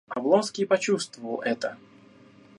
Облонский почувствовал это.